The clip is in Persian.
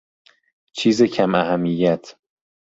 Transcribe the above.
چیز کم اهمیت